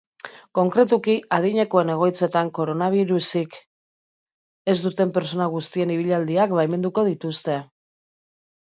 Konkretuki, adinekoen egoitzetan koronabirusik ez duten pertsona guztien ibilaldiak baimenduko dituzte.